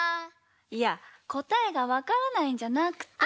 いやこたえがわからないんじゃなくて。